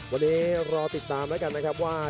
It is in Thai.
วันนี้รอติดตามแล้วกันนะครับว่า